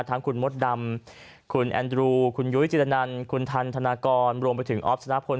ทั้งคุณมดดำคุณแอนดรูคุณยุ้ยจิรนันคุณทันธนากรรวมไปถึงออฟธนพล